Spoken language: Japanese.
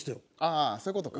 ああそういう事か。